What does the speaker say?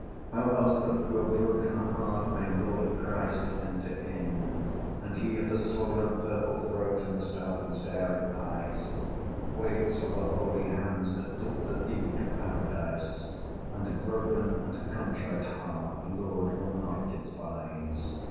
How else but through a broken heart May Lord Christ enter in? And he of the swollen purple throat. And the stark and staring eyes, Waits for the holy hands that took The Thief to Paradise; And a broken and a contrite heart The Lord will not despise.